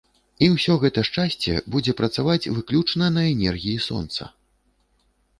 І ўсё гэта шчасце будзе працаваць выключна на энергіі сонца!